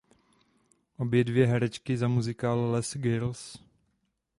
Obě dvě herečky za muzikál "Les Girls".